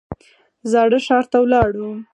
زاړه ښار ته لاړو.